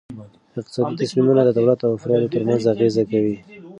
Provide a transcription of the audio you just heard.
اقتصادي تصمیمونه د دولت او افرادو ترمنځ اغیز کوي.